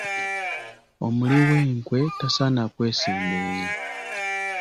Omuli w'enkwe tasaana kwesembereza.